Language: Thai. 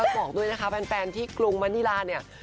บอกด้วยนะคะแฟนที่กรุงมะนิลาเนี่ย